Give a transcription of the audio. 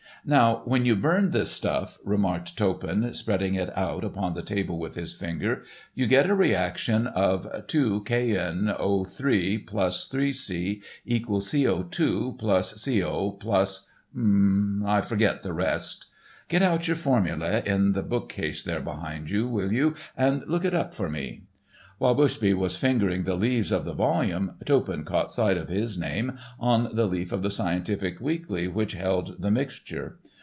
"Now when you burn this stuff," remarked Toppan, spreading it out upon the table with his finger, "you get a reaction of 2KNO3+3C=CO2+CO+, I forget the rest. Get out your formulae in the bookcase there behind you, will you, and look it up for me?" While Bushby was fingering the leaves of the volume, Toppan caught sight of his name on the leaf of the Scientific Weekly which held the mixture.